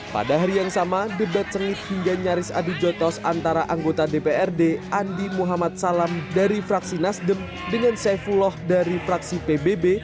pada hari yang sama debat sengit hingga nyaris adu jotos antara anggota dprd andi muhammad salam dari fraksi nasdem dengan saifullah dari fraksi pbb